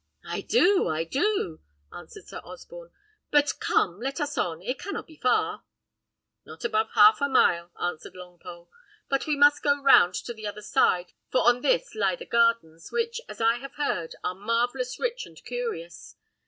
"I do, I do," answered Sir Osborne. "But, come, let us on, it cannot be far." "Not above half a mile," answered Longpole; "but we must go round to the other side, for on this lie the gardens, which, as I have heard, are marvellous rich and curious.